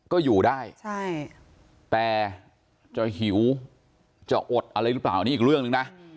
ก็อยู่ได้แต่จะหิวจะอดอะไรหรือเปล่าอันนี้อีกเรื่องหนึ่งนะ